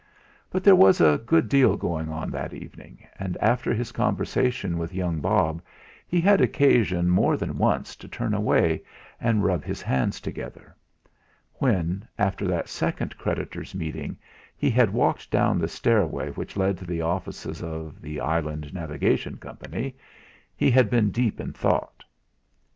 But there was a good deal going on that evening, and after his conversation with young Bob he had occasion more than once to turn away and rub his hands together. When, after that second creditors' meeting, he had walked down the stairway which led to the offices of "The Island Navigation Company," he had been deep in thought.